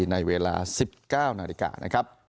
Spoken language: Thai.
ในเวลา๑๙นาทีก่อนนะครับ